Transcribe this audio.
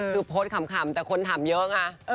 คือโพสต์ขำแต่คนถามเยอะไง